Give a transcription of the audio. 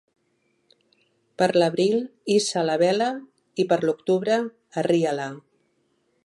Per l'abril hissa la vela i per l'octubre arria-la.